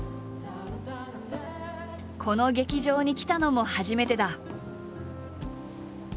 この劇場に来たのも初めてだ。